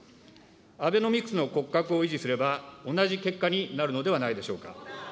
アベノミクスの骨格を維持すれば、同じ結果になるのではないでしょうか。